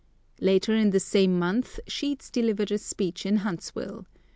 Later in the same month Sheets delivered a speech in Huntsville.